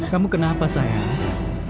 kamu kenapa sayang